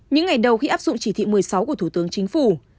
những ngày đầu khi áp dụng chỉ thị một mươi sáu của thủ tướng chính phủ